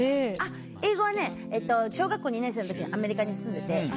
英語はね小学校２年生の時にアメリカに住んでて。